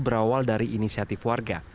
berawal dari inisiatif warga